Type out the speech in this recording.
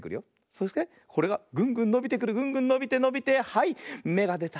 そしてこれがグングンのびてくるグングンのびてのびてはいめがでた！